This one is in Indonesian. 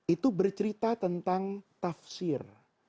itu bercerita tentang tafsir